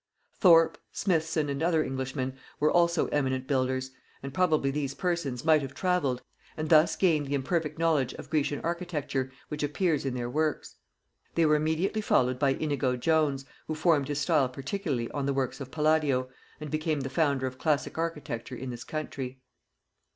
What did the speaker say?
Thorpe, Smithson, and other Englishmen, were also eminent builders; and probably these persons might have travelled, and thus have gained the imperfect knowledge of Grecian architecture which appears in their works. They were immediately followed by Inigo Jones, who formed his style particularly on the works of Palladio, and became the founder of classic architecture in this country.